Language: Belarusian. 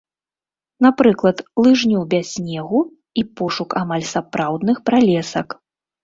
Напрыклад, лыжню без снегу і пошук амаль сапраўдных пралесак.